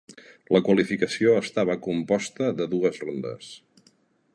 La qualificació estava composta de dues rondes.